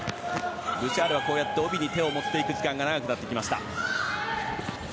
ブシャールは帯に手を持っていく時間が長くなってきました。